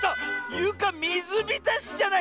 ゆかみずびたしじゃない！